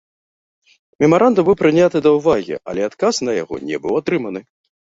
Мемарандум быў прыняты да ўвагі, але адказ на яго не быў атрыманы.